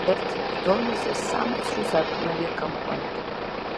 ერთ დონეზე, სამი ცრუ სარკმელია გამოყვანილი.